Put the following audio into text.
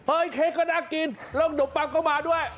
เฮ้ยเค้กก็น่ากินร่องดบปังเข้ามาด้วย